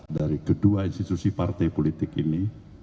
dari kedua institusi partai politik ini